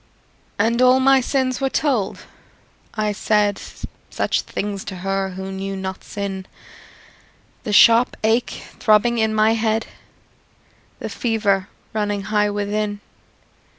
And all my sins were told; I said Such things to her who knew not sin The sharp ache throbbing in my head, The fever running high within.